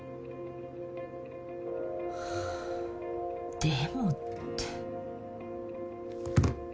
「でも」って。